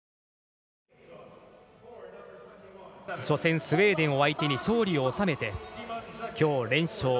初戦、スウェーデン相手に勝利を収めて、きょう連勝。